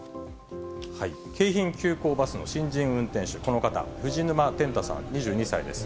京浜急行バスの新人運転手、この方、藤沼天太さん２２歳です。